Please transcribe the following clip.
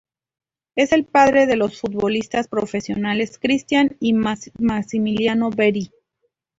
Es el padre de los futbolistas profesionales Christian y Massimiliano Vieri.